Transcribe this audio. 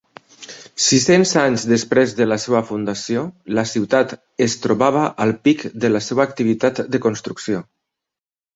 Sis-cents anys després de la seva fundació, la ciutat es trobava al pic de la seva activitat de construcció.